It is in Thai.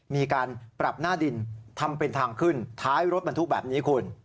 มีการปรับหน้าดินทำเป็นทางขึ้นท้ายรถบรรทุกแบบนี้คุณ